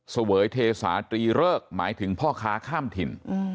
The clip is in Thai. เสวยเทสาตรีเริกหมายถึงพ่อค้าข้ามถิ่น